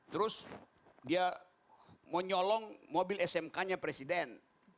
terus dia mau nyolong mobil smk nya presiden